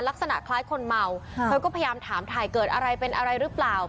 ลักษณะคล้ายคนเมาเธอก็พยายามถามถ่ายเกิดอะไรเป็นอะไรหรือเปล่า